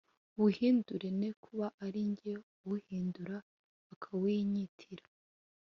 uwuhindūre ne kuba ari jye uwuhindūra, bakawunyitirira.”